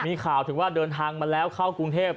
มีข่าวถึงว่าเดินทางมาแล้วเข้ากรุงเทพ